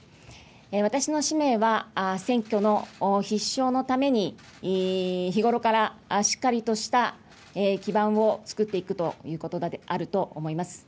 私の使命は、選挙の必勝のために日頃からしっかりとした基盤を作っていくということであると思います。